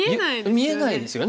見えないですよね。